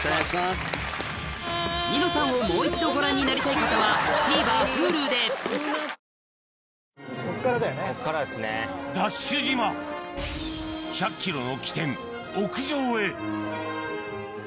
・『ニノさん』をもう一度ご覧になりたい方はＴＶｅｒＨｕｌｕで今回はレバレジーズを。